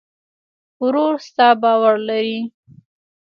ورور ستا باور لري.